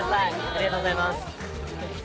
ありがとうございます。